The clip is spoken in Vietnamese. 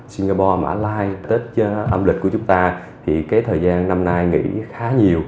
singapore mã lai tết âm lịch của chúng ta thì cái thời gian năm nay nghỉ khá nhiều